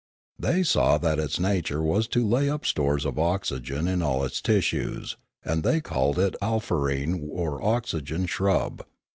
They saw that its nature was to lay up stores of oxygen in all its tissues, and they called it alfarene or the oxygen shrub.